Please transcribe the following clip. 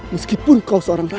meskipun kau seorang radha